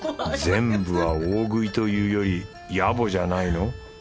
全部は大食いというよりやぼじゃないの？